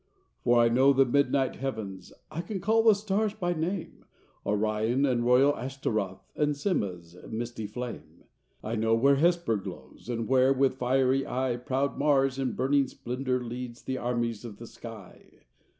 For I know the midnight heavens; I can call the stars by name— Orion and royal Ashtaroth And Cimah’s misty flame. I know where Hesper glows, And where, with fiery eye, Proud Mars in burning splendor leads The armies of the sky.